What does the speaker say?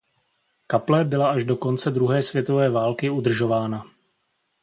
Kaple byla až do konce druhé světové války udržována.